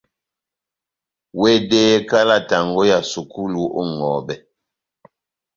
Wɛdɛhɛ kalati yɔ́ngɔ ya sukulu ó ŋʼhɔbɛ.